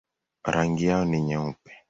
Rangi yao ni nyeupe.